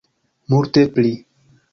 Multe pli.